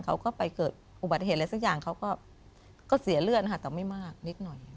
เขาก็ไปเกิดอุบัติเหตุอะไรสักอย่างเขาก็เสียเลือดค่ะแต่ไม่มากนิดหน่อย